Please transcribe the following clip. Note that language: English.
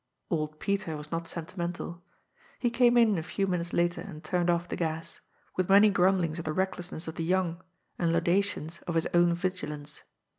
Old Peter was not sentimentaL He came in a few min utes later and turned off the gas, with many grumblings at the recklessness of the young and laudations of his own vigil ance.